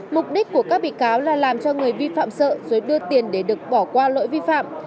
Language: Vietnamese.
mục đích của các bị cáo là làm cho người vi phạm sợ rồi đưa tiền để được bỏ qua lỗi vi phạm